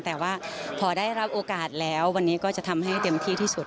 แต่ว่าพอได้รับโอกาสแล้ววันนี้ก็จะทำให้เต็มที่ที่สุด